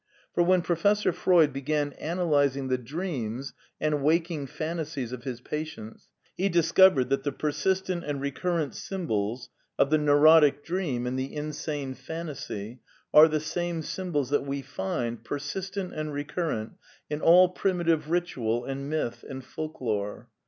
For when Professor Freud b^an analysing the dreams and waking phantasies of his patients, he discovered that the persistent and recurrent symbols of the neurotic dream and the insane phantasy are the same symbols that we find, ersistent and recurrent, in all primitive ritual and myth and folk lore.